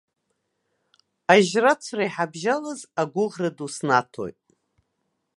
Ажьрацәара иҳабжьалаз агәыӷра ду снаҭоит.